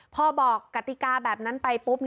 พอบอกกติกาแบบนั้นไปปุ๊บ